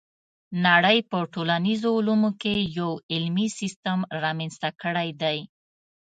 نړۍ په ټولنیزو علومو کې یو علمي سیستم رامنځته کړی دی.